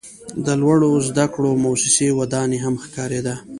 د لوړو زده کړو موسسې ودانۍ هم ښکاریده.